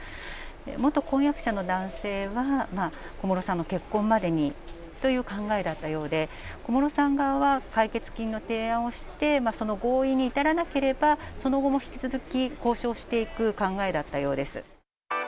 元婚約者の男性は、小室さんの結婚までにという考えだったようで、小室さん側は、解決金の提案をして、その合意に至らなければ、その後も引き続き交渉していく考えだったようです。